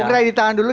kita di tahan dulu